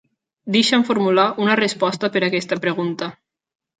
Deixa'm formular una resposta per a aquesta pregunta.